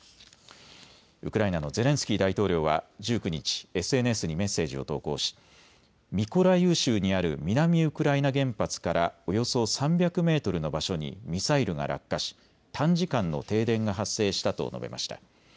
ウクライナのゼレンスキー大統領は１９日、ＳＮＳにメッセージを投稿し、ミコライウ州にある南ウクライナ原発からおよそ３００メートルの場所にミサイルが落下し短時間の停電が発生したと述べました。